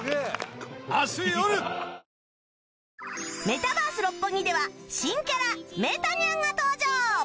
メタバース六本木では新キャラメタニャンが登場